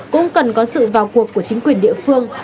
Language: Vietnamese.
cũng cần có sự vào cuộc của chính quyền địa phương